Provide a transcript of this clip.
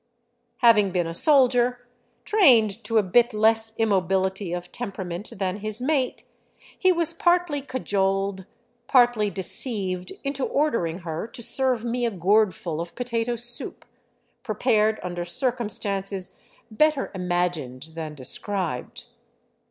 Having been a soldier, trained to a bit less immobility of temperament than his mate, he was partly cajoled, partly deceived, into ordering her to serve me a gourdful of potato soup, prepared under circumstances better imagined than de scribed.